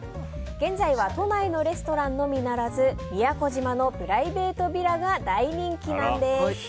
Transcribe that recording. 現在は都内のレストランのみならず宮古島のプライベートヴィラが大人気なんです。